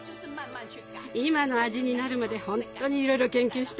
今の味になるまでほんとにいろいろ研究したわ。